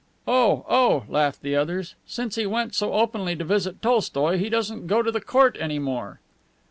"Oh, oh!" laughed the others. "Since he went so openly to visit Tolstoi he doesn't go to the court any more."